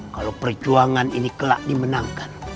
kalau perjuangan ini kelak dimenangkan